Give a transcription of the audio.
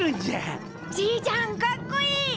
じいちゃんかっこいい！